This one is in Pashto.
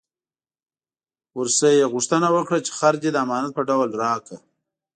ورنه یې غوښتنه وکړه چې خر دې د امانت په ډول راکړه.